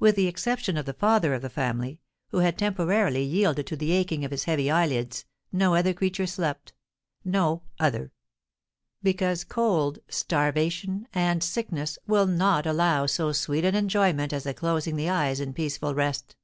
With the exception of the father of the family, who had temporarily yielded to the aching of his heavy eyelids, no other creature slept, no other; because cold, starvation, and sickness will not allow so sweet an enjoyment as the closing the eyes in peaceful rest.